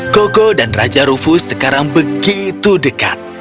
kogo dan raja rufus sekarang begitu dekat